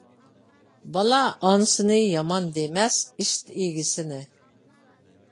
بالا ئانىسىنى يامان دېمەس، ئىت ئىگىسىنى.